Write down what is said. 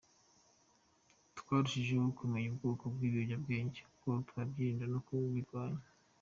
Twarushijeho kumenya ubwoko bw’ibiyobyabwenge n’uko twabyirinda no kubirwanya.